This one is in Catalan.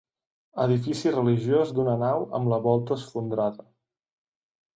Edifici religiós d'una nau amb la volta esfondrada.